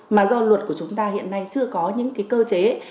mà do luật của chúng ta hiện nay chưa có những cái cơ chế